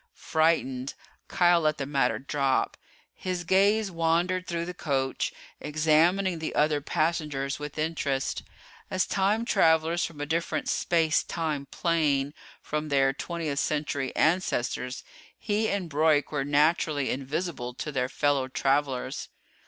Frightened, Kial let the matter drop. His gaze wandered through the coach, examining the other passengers with interest. As time travelers from a different space time plane from their 20th Century ancestors, he and Broyk were naturally invisible to their fellow travelers.